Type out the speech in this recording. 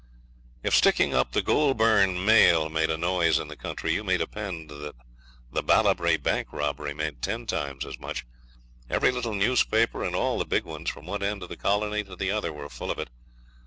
If sticking up the Goulburn mail made a noise in the country, you may depend the Ballabri bank robbery made ten times as much. Every little newspaper and all the big ones, from one end of the colony to the other, were full of it.